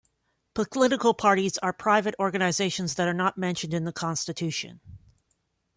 Political parties are private organisations that are not mentioned in the constitution.